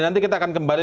nanti kita akan kembali